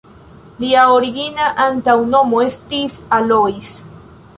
Lia origina antaŭnomo estis Alois.